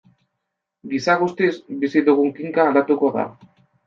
Gisa guztiz, bizi dugun kinka aldatuko da.